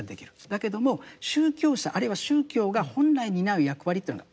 だけども宗教者あるいは宗教が本来担う役割というのがあるんだと。